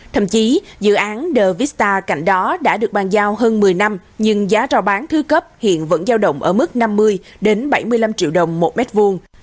thậm chí dự án the vista cạnh đó đã được bàn giao hơn một mươi năm nhưng giá rau bán thứ cấp hiện vẫn giao động ở mức năm mươi bảy mươi năm triệu đồng một mét vuông